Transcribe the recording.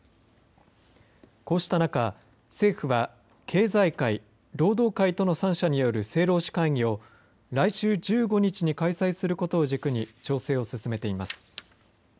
こうした中政府は経済界、労働界との３者による政労使会議を来週１５日に開催することを軸に調整を進めています。